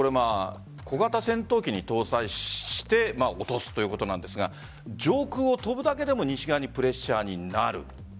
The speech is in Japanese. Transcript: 小型戦闘機に搭載して落とすということなんですが上空を飛ぶだけでも西側にプレッシャーになる。